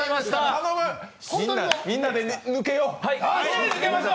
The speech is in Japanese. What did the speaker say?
頼む、みんなで抜けよう。